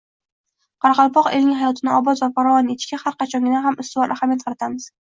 qoraqalpoq elining hayotini obod va farovon etishga har qachongidan ham ustuvor ahamiyat qaratamiz.